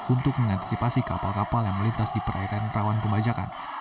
untuk mengantisipasi kapal kapal yang melintas di perairan rawan pembajakan